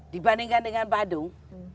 dibandingkan dengan badung